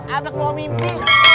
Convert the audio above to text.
sampai kebawa mimpi